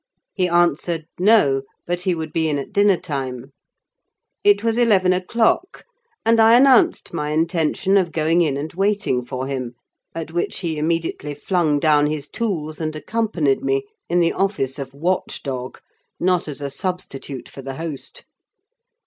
He answered, No; but he would be in at dinner time. It was eleven o'clock, and I announced my intention of going in and waiting for him; at which he immediately flung down his tools and accompanied me, in the office of watchdog, not as a substitute for the host.